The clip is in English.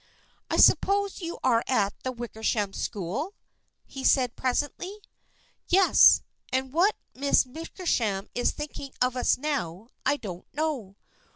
" I suppose you are at the Wickersham School ?" he said presently. " Yes, and what Miss Wickersham is thinking of us now I don't know.